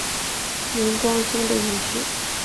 明光宗的女婿。